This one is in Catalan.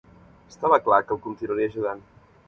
Estava clar que el continuaria ajudant.